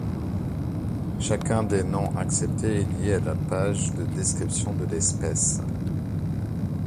Chacun des noms acceptés est lié à la page de description de l'espèce.